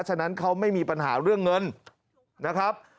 ฉะนั้นเขาไม่มีปัญหาเรื่องเงินนะครับ